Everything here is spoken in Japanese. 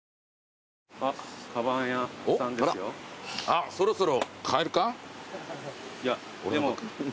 あっそろそろ替えるか？